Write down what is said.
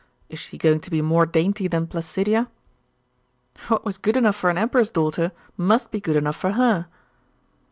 Is she going to be more dainty than Placidia?' 'What was good enough for an emperor's daughter must be good enough for her.